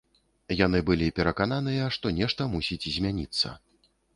Яны былі перакананыя, што нешта мусіць змяніцца.